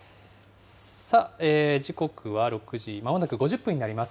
時刻は６時まもなく５０分になります。